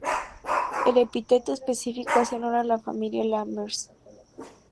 El epíteto específico hace honor a la familia Lammers.